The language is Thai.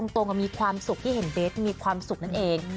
ตรงกับมีความสุขที่เห็นเบสมีความสุขนั่นเอง